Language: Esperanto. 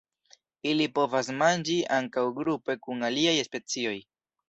Ili povas manĝi ankaŭ grupe kun aliaj specioj.